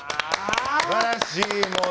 すばらしい！